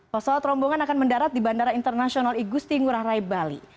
pesawat rombongan akan mendarat di bandara internasional igusti ngurah rai bali